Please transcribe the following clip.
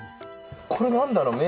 これ何だろう？